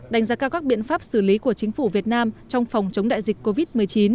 đánh giá cao các biện pháp xử lý của chính phủ việt nam trong phòng chống đại dịch covid một mươi chín